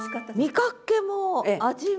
見かけも味も。